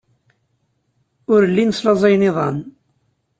Ur llin slaẓayen iḍan.